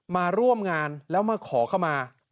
มาร่วมงานแล้วมาขอเข้ามา